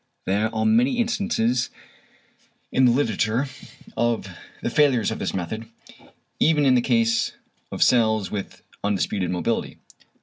There are many instances in the literature of the failures of this method, even in the case of cells with undisputed mobility.